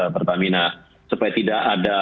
pertamina supaya tidak ada